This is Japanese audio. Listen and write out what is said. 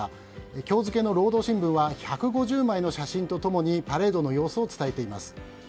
今日付の労働新聞は１５０枚の写真と共にパレードの様子を伝えています。